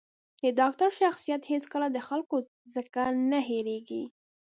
د ډاکتر شخصیت هېڅکله د خلکو ځکه نه هېرېـږي.